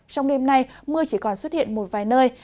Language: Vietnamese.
trong đêm nay mưa chỉ còn xuất hiện một vài nơi